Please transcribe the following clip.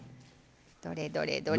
どれどれどれ。